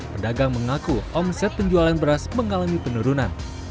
pedagang mengaku omset penjualan beras mengalami penurunan